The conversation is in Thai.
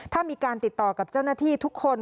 ถ้ามีการติดต่อกับเจ้าหน้าที่ทุกคน